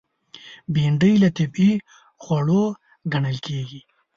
بېنډۍ له طبیعي خوړو ګڼل کېږي